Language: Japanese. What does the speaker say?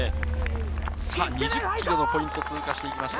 ２０ｋｍのポイントを通過していきました。